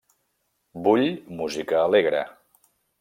Vull música alegre.